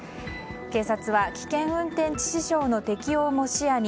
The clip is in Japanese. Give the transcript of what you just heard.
警察は危険運転致死傷の適用も視野に